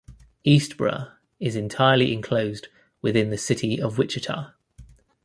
Eastborough is entirely enclosed within the city of Wichita.